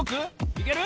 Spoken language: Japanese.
いける？